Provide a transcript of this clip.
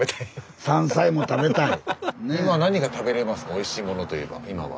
おいしいものといえば今は。